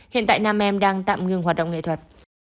hiện tại nam em đang tạm ngừng hoạt động nghệ thuật